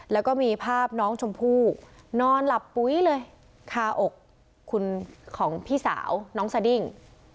แล้วก็มีภาพน้องชมพู่นอนหลับปุ๊ยเลยคาอกคุณของพี่สาวน้องสดิ้ง